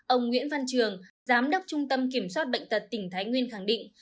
ông nguyễn văn trường giám đốc trung tâm kiểm soát bệnh tật tỉnh thái nguyên khẳng định